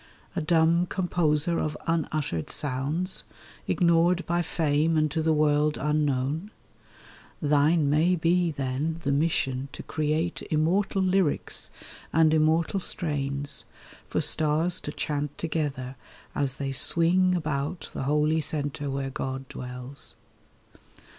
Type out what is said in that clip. A dumb composer of unuttered sounds, Ignored by fame and to the world unknown? Thine may be, then, the mission to create Immortal lyrics and immortal strains, For stars to chant together as they swing About the holy centre where God dwells.